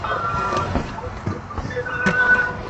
কুমুদকে যে সাপট কামড়াইয়াছিল সেটার বিষ ছিল না।